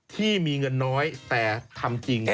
ที่มีเงินน้อยแต่ทำจริง